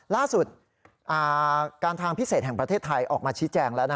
ล่าสุดการทางพิเศษแห่งประเทศไทยออกมาชี้แจงแล้ว